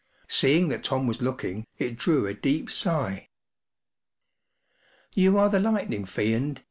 Seeing that Tom was looking, it drew a deep sigh* “You are the Lightning Fiend?